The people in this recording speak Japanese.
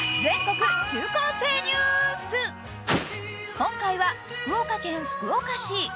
今回は福岡県福岡市。